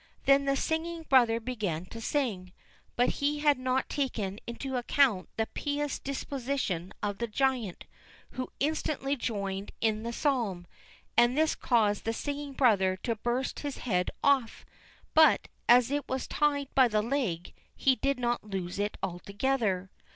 Then the singing brother began to sing, but he had not taken into account the pious disposition of the giant, who instantly joined in the psalm; and this caused the singing brother to burst his head off, but, as it was tied by the leg, he did not lose it altogether.